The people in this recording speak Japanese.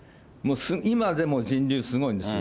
今でも人流すごいんですよ。